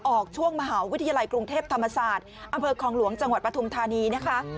ออกช่วงมหาวิทยาลัยกรุงเทพธรรมศาสตร์อำเภอคลองหลวงจังหวัดปฐุมธานีนะคะ